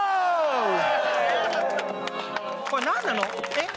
えっ？